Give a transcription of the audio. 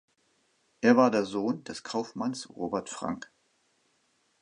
Er war der Sohn der Kaufmanns Robert Frank.